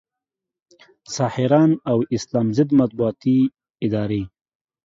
ساحران او اسلام ضد مطبوعاتي ادارې